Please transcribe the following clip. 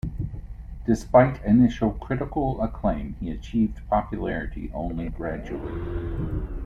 Despite initial critical acclaim, he achieved popularity only gradually.